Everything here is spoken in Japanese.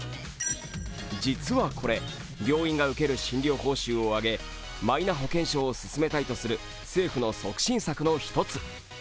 実はこれ、病院が受ける診療報酬を上げ、マイナ保険証を進めたいとする政府の促進策の一つ。